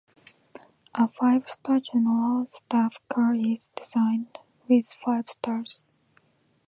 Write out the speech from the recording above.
A five star Generals staff car is designated with Five stars.